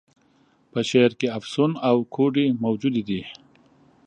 په شعر کي افسون او کوډې موجودي دي.